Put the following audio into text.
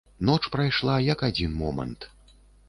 Ноч прайшла, як адзін момант.